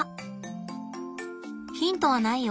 ヒントはないよ。